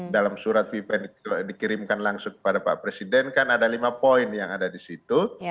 dalam surat fifa yang dikirimkan langsung kepada pak presiden kan ada lima poin yang ada di situ